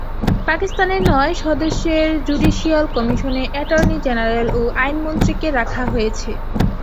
পাকিস্তানের নয় সদস্যের জুডিশিয়াল কমিশনে অ্যাটর্নি জেনারেল ও আইনমন্ত্রীকে রাখা হয়েছে।